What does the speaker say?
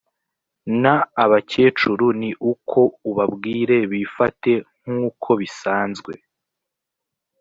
n abakecuru ni uko ubabwire bifate nk uko bisanzwe